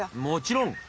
もちろん！